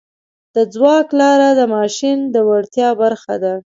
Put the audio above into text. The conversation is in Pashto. د ځواک لاره د ماشین د وړتیا برخه ده.